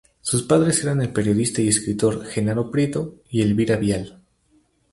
Sus padres eran el periodista y escritor Jenaro Prieto y Elvira Vial.